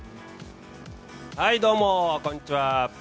はい、どうも、こんにちは。